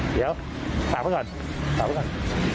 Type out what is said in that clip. เดี๋ยวปากก็ก่อนปากก็ก่อน